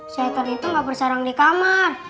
syaitan itu gak bersarang di kamar